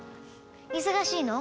忙しいの？